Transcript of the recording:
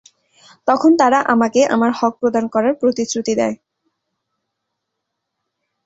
তখন তারা আমাকে আমার হক প্রদান করার প্রতিশ্রুতি দেয়।